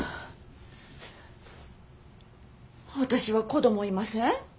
私は子供いません。